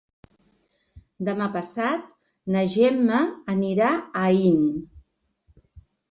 Demà passat na Gemma anirà a Aín.